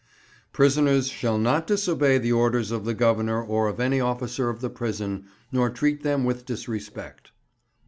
Prisoners shall not disobey the orders of the Governor or of any officer of the prison, nor treat them with disrespect.